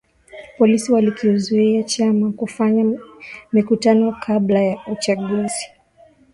Polisi walikizuia chama kufanya mikutano kabla ya uchaguzi